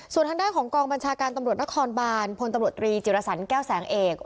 ส่วนทางด้านของกองบัญชาการตำรวจนครบานพลตำรวจตรีจิรสันแก้วแสงเอก